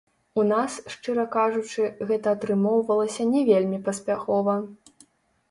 У нас, шчыра кажучы, гэта атрымоўвалася не вельмі паспяхова.